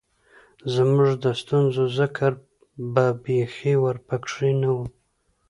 زمونږ د ستونزو ذکــــــر به بېخي ورپکښې نۀ وۀ